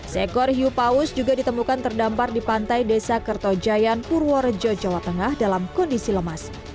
seekor hiu paus juga ditemukan terdampar di pantai desa kertojayan purworejo jawa tengah dalam kondisi lemas